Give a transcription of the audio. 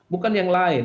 bukan yang lain